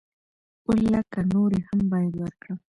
اووه لکه نورې هم بايد ورکړم.